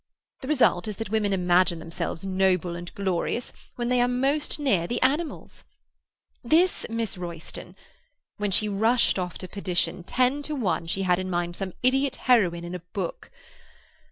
The result is that women imagine themselves noble and glorious when they are most near the animals. This Miss Royston—when she rushed off to perdition, ten to one she had in mind some idiot heroine of a book.